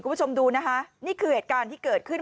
คุณผู้ชมดูนะคะนี่คือเหตุการณ์ที่เกิดขึ้น